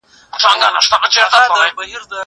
هغه څوک چې درس لولي بریالی کېږي!